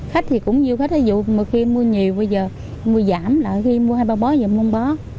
khách thì cũng nhiều khách thí dụ mà khi mua nhiều bây giờ mua giảm là khi mua hai ba bó giờ mua một bó